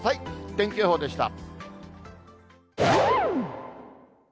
天気予報でした。